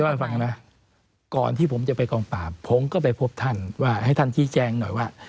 ให้ฟังนะก่อนที่ผมจะไปกองปราบผมก็ไปพบท่านว่าให้ท่านชี้แจงหน่อยว่า